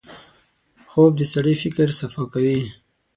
خوب د سړي فکر صفا کوي